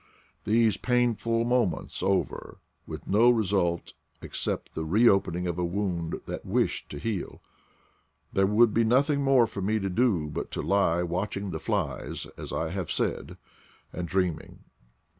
These painful moments over, with no result except the re opening of a wound that wished to heal, there would be nothing more for me to do but to lie watching the flies, as I have said, and dreaming.